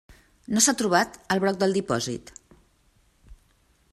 No s'ha trobat el broc del dipòsit.